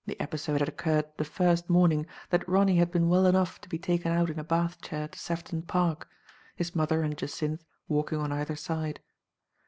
episode had occurred the first morning that Ronny had been well enough to be taken out in a bath chair to Sefton Park, his mother and Jacynth walking on either side.